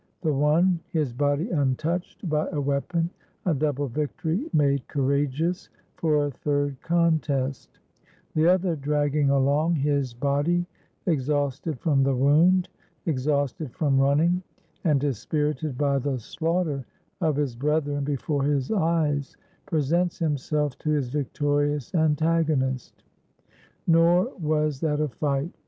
The one, his body untouched by a weapon, a double victory made courageous for a third contest; the other dragging along his body exhausted from the wound, exhausted from running, and dispirited by the slaughter of his brethren before his eyes, presents himself to his victorious an tagonist. Nor was that a fight.